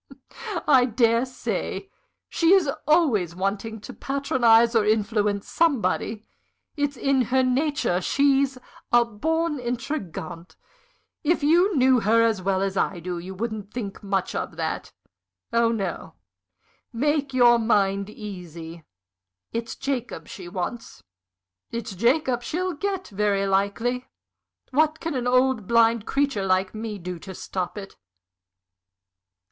"I dare say. She is always wanting to patronize or influence somebody. It's in her nature. She's a born intrigante. If you knew her as well as I do, you wouldn't think much of that. Oh no make your mind easy. It's Jacob she wants it's Jacob she'll get, very likely. What can an old, blind creature like me do to stop it?"